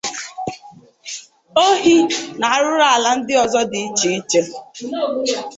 ohi na arụrụala ndị ọzọ dị iche iche.